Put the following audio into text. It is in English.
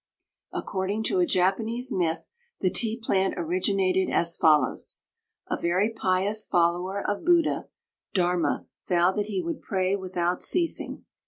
According to a Japanese myth the tea plant originated as follows: A very pious follower of Buddha, Darma, vowed that he would pray without ceasing.